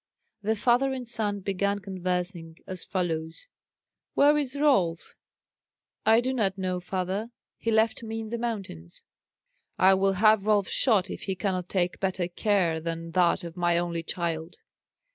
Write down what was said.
The father and son began conversing as follows: "Where is Rolf?" "I do not know, father; he left me in the mountains." "I will have Rolf shot if he cannot take better care than that of my only child."